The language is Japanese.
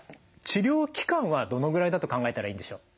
治療期間はどのぐらいだと考えたらいいんでしょう？